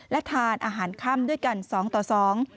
และทานอาหารค่ำด้วยกันสองต่อสอง